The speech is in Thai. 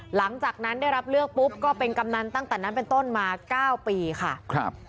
หลังจากนั้นได้รับเลือกปุ๊บก็เป็นกำนันตั้งแต่นั้นเป็นต้นมา๙ปีค่ะครับ